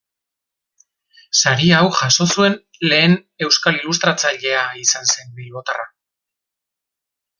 Sari hau jaso zuen lehen euskal ilustratzailea izan zen bilbotarra.